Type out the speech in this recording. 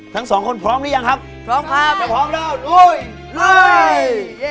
ทั้งสองคนพร้อมหรือยังครับพร้อมครับถ้าพร้อมแล้วลุยลุย